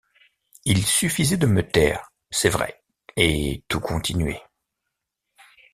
Il suffisait de me taire, c’est vrai, et tout continuait.